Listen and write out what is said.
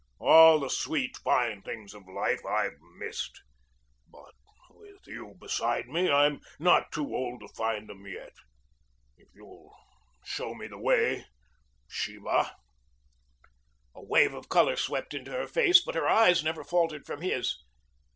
All the sweet, fine things of life I've missed. But with you beside me I'm not too old to find them yet if you'll show me the way, Sheba." A wave of color swept into her face, but her eyes never faltered from his.